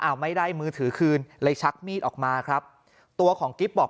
เอาไม่ได้มือถือคืนเลยชักมีดออกมาครับตัวของกิ๊บบอก